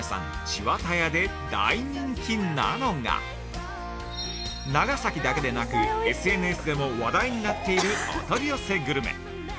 「ちわたや」で大人気なのが長崎だけでなく、ＳＮＳでも話題になっているお取り寄せグルメ。